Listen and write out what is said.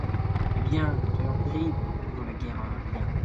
«Eh bien ! soyons terribles, faisons la guerre en liens.